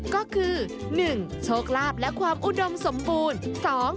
ก็คือ๑โชคลาภและความอุดมสมบูรณ์